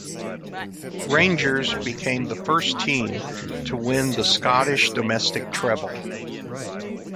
Rangers became the first team to win the Scottish domestic treble.